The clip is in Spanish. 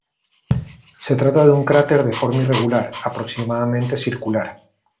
Se trata de un cráter de forma irregular, aproximadamente circular.